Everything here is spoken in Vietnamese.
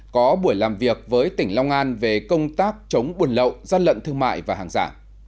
có buổi làm việc với tỉnh long an về công tác chống buồn lậu gian lận thương mại và hàng giả